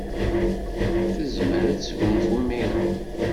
Tezmer ad tesgunfu imir-a.